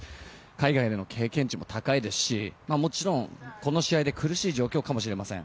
海外での経験値も高いですしもちろん、この試合で苦しい状況かもしれません。